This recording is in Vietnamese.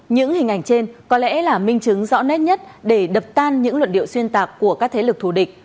những hình ảnh trên có lẽ là minh chứng rõ nét nhất để đập tan những luận điệu xuyên tạc của các thế lực thù địch